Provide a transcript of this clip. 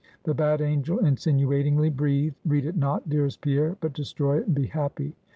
The bad angel insinuatingly breathed Read it not, dearest Pierre; but destroy it, and be happy.